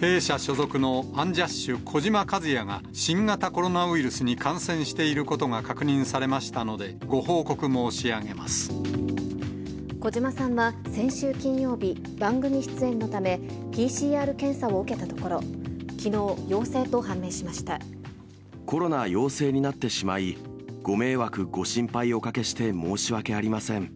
弊社所属のアンジャッシュ・児嶋一哉が、新型コロナウイルスに感染していることが確認されましたので、児島さんは先週金曜日、番組出演のため、ＰＣＲ検査を受けたところ、コロナ陽性になってしまい、ご迷惑ご心配をおかけして申し訳ありません。